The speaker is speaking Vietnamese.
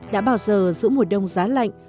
đã bao giờ giữa mùa đông giá lạnh